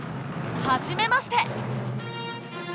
はじめまして。